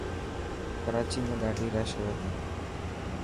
ڪراچي ۾ ڏاڌي رش هئي ٿي.